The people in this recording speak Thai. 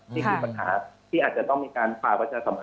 นี่คือปัญหาที่อาจจะต้องมีการฝากวัชฌาสำคัญ